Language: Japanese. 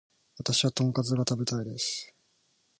私はトンカツが食べたいです